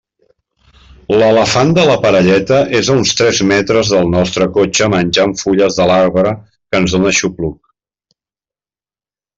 L'elefant de la parelleta és a uns tres metres del nostre cotxe menjant fulles de l'arbre que ens dóna sopluig.